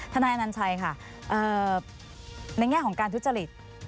นายอนัญชัยค่ะในแง่ของการทุจริต